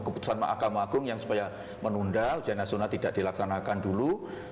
keputusan mahkamah agung yang supaya menunda ujian nasional tidak dilaksanakan dulu